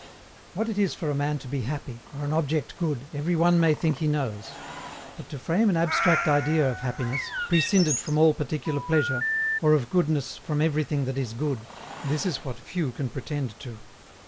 What it is for a man to be happy, or an object good, every one may think he knows. But to frame an abstract idea of happiness, prescinded from all particular pleasure, or of goodness from everything that is good, this is what few can pretend to.